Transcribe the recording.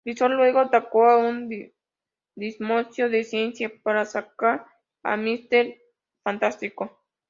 Crisol luego atacó a un simposio de ciencia para sacar a Mister Fantástico.